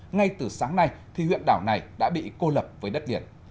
ngay từ sáng nay thì huyện đảo này đã bị cô lập với đất liền